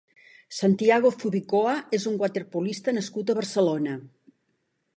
Santiago Zubicoa és un waterpolista nascut a Barcelona.